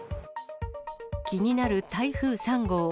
気になる台風３号。